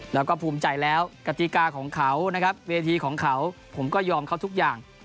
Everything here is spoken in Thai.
แล้วก็ภูมิใจแล้วกติกาของเขานะครับเวทีของเขาผมก็ยอมเขาทุกอย่าง